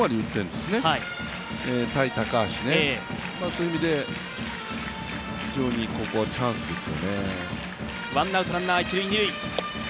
そういう意味で、非常にここはチャンスですよね。